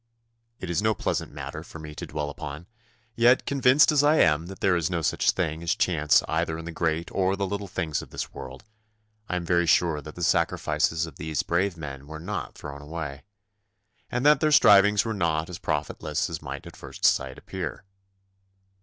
It is no pleasant matter for me to dwell upon, yet, convinced as I am that there is no such thing as chance either in the great or the little things of this world, I am very sure that the sacrifices of these brave men were not thrown away, and that their strivings were not as profitless as might at first sight appear.